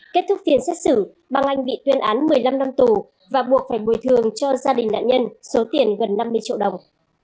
kết thúc phiên xét xử bà anh bị tuyên án một mươi năm năm tù và buộc phải bồi thường cho gia đình nạn nhân số tiền gần năm mươi triệu đồng